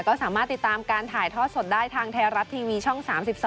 ก็สามารถติดตามการถ่ายทอดสดได้ทางไทยรัฐทีวีช่อง๓๒